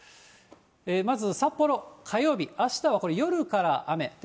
まず札幌、火曜日、あしたは夜から雨。